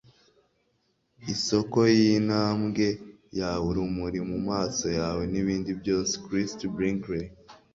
isoko yintambwe yawe, urumuri mumaso yawe, nibindi byose. - christie brinkley